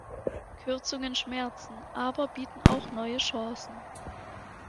Kürzungen schmerzen, aber bieten auch neue Chancen.